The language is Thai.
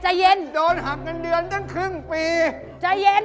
ใจเย็นโดนหักกันเดือนจะผึ้งปีใจเย็น